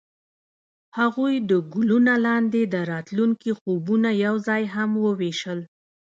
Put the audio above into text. هغوی د ګلونه لاندې د راتلونکي خوبونه یوځای هم وویشل.